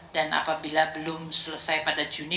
dan apabila belum selesai pada juni